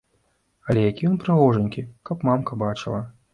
Але які ён прыгожанькі, каб мамка бачыла!